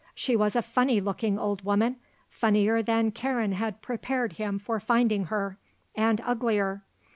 She was a funny looking old woman, funnier than Karen had prepared him for finding her, and uglier.